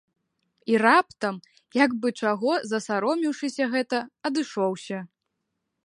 І раптам, як бы чаго засаромеўшыся гэта, адышоўся.